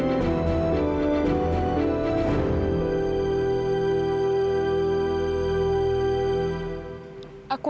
terima kasih bapak bapak